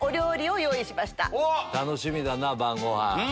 楽しみだな晩ごはん。